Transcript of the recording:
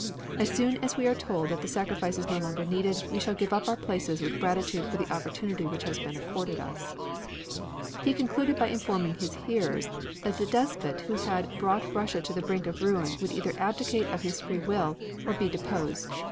As soon as we are told that the sacrifice is no longer needed, we shall give up our places with gratitude for the opportunity which has been accorded us." He concluded by informing his hearers that the despot who had brought Russia to the brink of ruin would either abdicate of his free will, or be deposed.